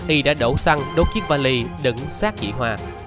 y đã đổ xăng đốt chiếc vali đứng sát chị hoa